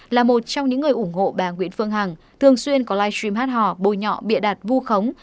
là một trong những người ủng hộ bà nguyễn phương hằng thường xuyên có livestream hát hò bôi nhọ bịa đạt vô khống